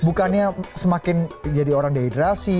bukannya semakin jadi orang dehidrasi